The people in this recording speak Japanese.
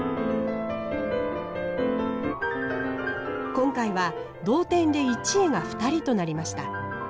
今回は同点で１位が２人となりました。